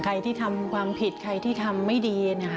ใครที่ทำความผิดใครที่ทำไม่ดีนะคะ